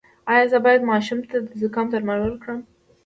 ایا زه باید ماشوم ته د زکام درمل ورکړم؟